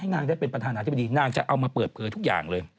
นางได้เป็นประธานาธิบดีนางจะเอามาเปิดเผยทุกอย่างเลย